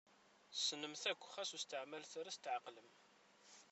Tessnem-t akk xas ur steɛmalet ara tetɛeqlem